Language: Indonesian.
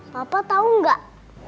papa tau gak